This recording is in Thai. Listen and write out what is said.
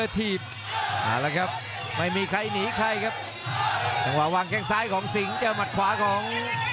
ถีบเอาละครับไม่มีใครหนีใครครับจังหวะวางแข้งซ้ายของสิงห์เจอหมัดขวาของ